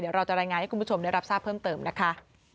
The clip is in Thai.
เดี๋ยวเราจะรายงานให้คุณผู้ชมได้รับทราบเพิ่มเติมนะคะ